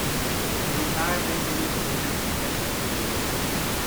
His entire major league career was spent with the Yankees.